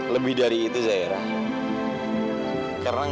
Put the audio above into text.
lepaskan dia tournament semangat